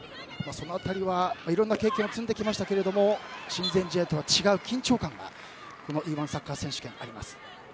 その辺りはいろんな経験を積んできましたが親善試合とは違う緊張感がＥ‐１サッカー選手権であります。